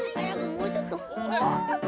もうちょっと！